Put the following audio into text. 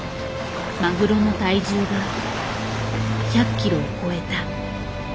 マグロの体重が１００ｋｇを超えた。